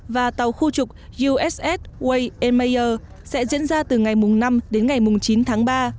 và tàu khu trục uss wayne meyer sẽ diễn ra từ ngày năm đến ngày chín tháng ba